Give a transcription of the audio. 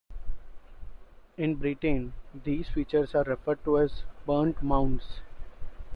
In Britain these features are referred to as 'burnt mounds'.